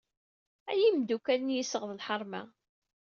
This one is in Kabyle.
Ay imeddukal n yiseɣ d lḥerma.